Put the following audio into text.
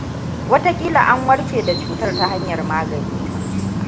Wataƙila an warke da cutar ta hanyar magani.